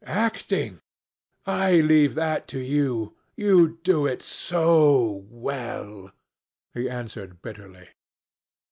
"Acting! I leave that to you. You do it so well," he answered bitterly.